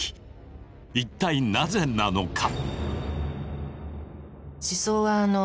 一体なぜなのか！